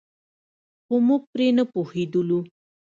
خو موږ پرې نه پوهېدلو.